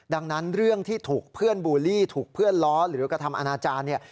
ดังนั้นเรื่องที่ถูกเพื่อนบูลลี่ถูกเพื่อนล้อหรือกระทำอนาจารย์เนี่ย